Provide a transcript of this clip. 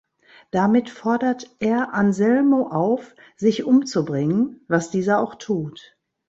Damit fordert er Anselmo auf, sich umzubringen, was dieser auch tut.